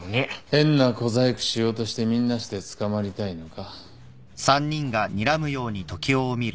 変な小細工しようとしてみんなして捕まりたいのか。